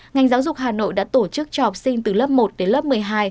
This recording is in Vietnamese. ngành giáo dục hà nội đã tổ chức cho học sinh từ lớp một đến lớp một mươi hai